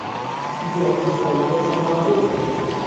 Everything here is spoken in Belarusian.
Ён застаецца на волі.